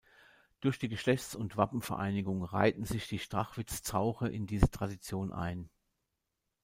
Durch die Geschlechts- und Wappenvereinigung reihten sich die Strachwitz-Zauche in diese Tradition ein.